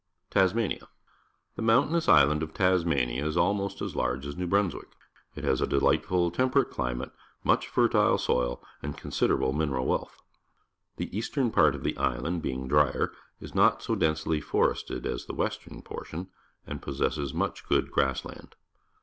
Tasmania. — The mountainous island of Tasmania is almost as large as New Bruns wick. It has a delightful, temperate climate, much fertile soil, and considerable mineral wealth. The eastern part of the island, being drier, is not so densely forested as the west ern portion and possesses much good grass land.